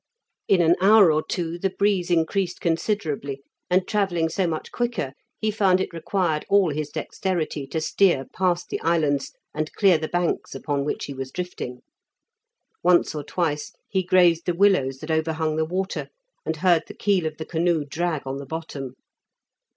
In an hour or two the breeze increased considerably, and travelling so much quicker, he found it required all his dexterity to steer past the islands and clear the banks upon which he was drifting. Once or twice he grazed the willows that overhung the water, and heard the keel of the canoe drag on the bottom.